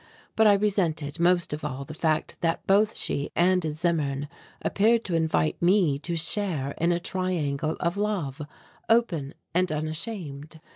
But I resented most of all the fact that both she and Zimmern appeared to invite me to share in a triangle of love, open and unashamed.